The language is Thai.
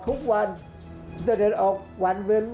ภาคอีสานแห้งแรง